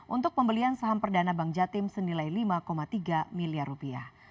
untuk pembelian saham perdana bank jatim senilai lima tiga miliar rupiah